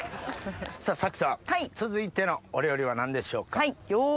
さぁ沙紀さん続いてのお料理は何でしょうか？